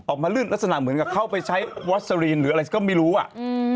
ลื่นลักษณะเหมือนกับเข้าไปใช้วัสรีนหรืออะไรก็ไม่รู้อ่ะอืม